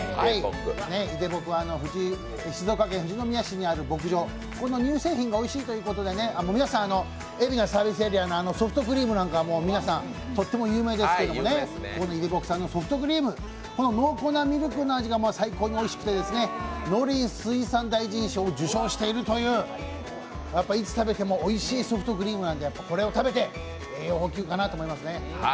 いでぼくは静岡県富士宮市にある牧場、ここの乳製品がおいしいということで、皆さん海老名サービスエリアのソフトクリームなんか、皆さんとって有名ですけれども、いでぼくさんのジャージーソフトクリーム、この濃厚なミルクの味が最高においしくてですね、農林水産大臣賞受賞しているという、いつ食べてもおいしいソフトクリームなんでやっぱりこれを食べて、栄養補給かなと思いますね。